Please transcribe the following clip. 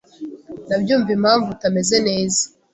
ndabyumva impamvu utameze neza,